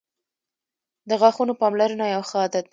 • د غاښونو پاملرنه یو ښه عادت دی.